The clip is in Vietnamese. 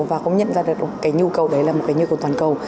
và cũng nhận ra được cái nhu cầu đấy là một cái nhu cầu toàn cầu